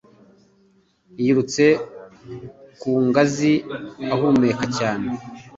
Yirutse ku ngazi ahumeka cyane